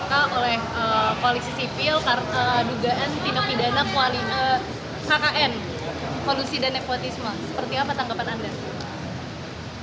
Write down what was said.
seperti apa tanggapan anda